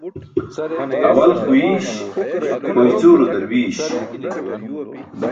Awal xwiiś, ho icʰuulo darwiiś.